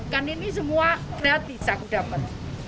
kan ini semua gratis aku dapat